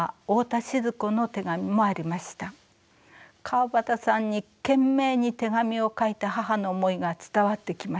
川端さんに懸命に手紙を書いた母の思いが伝わってきました。